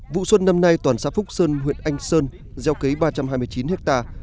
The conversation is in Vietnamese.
vụ xuân năm nay toàn xã phúc sơn huyện anh sơn gieo cấy ba trăm hai mươi chín hectare